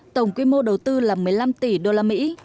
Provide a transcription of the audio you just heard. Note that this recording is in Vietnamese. tổng quy mô đầu tư là một mươi năm tỷ usd